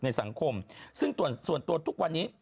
ในสังคมซึ่งส่วนตัวทุกวันนี้